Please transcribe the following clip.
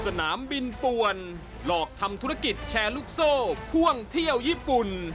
สนามบินป่วนหลอกทำธุรกิจแชร์ลูกโซ่พ่วงเที่ยวญี่ปุ่น